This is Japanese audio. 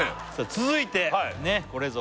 続いてこれぞ！